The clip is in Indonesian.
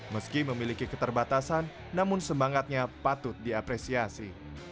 meski memiliki keterbatasan namun semangatnya patut diapresiasi